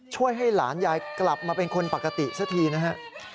ช่วยให้หลานยายกลับมาเป็นคนปกติซะทีนะฮะ